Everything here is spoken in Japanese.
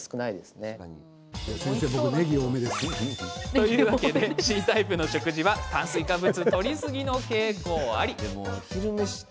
というわけでＣタイプの食事は炭水化物とりすぎの傾向あり。